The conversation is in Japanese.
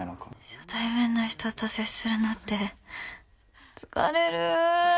初対面の人と接するのって疲れる。